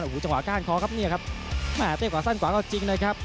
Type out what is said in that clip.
โอ้โหจังหวะก้านคอครับเนี่ยครับแม่เต้ขวาสั้นขวาก็จริงนะครับ